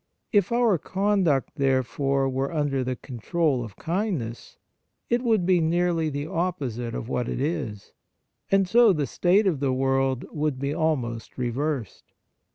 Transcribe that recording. If our con duct, therefore, were under the control of kindness, it would be nearly the opposite of what it is, and so the state of the world would be almost reversed.